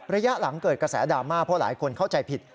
ระยะหลังเกิดกระแสดราม่าเพราะหลายคนเข้าใจผิด